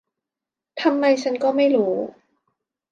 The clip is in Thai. ทำไมฉันก็ไม่รู้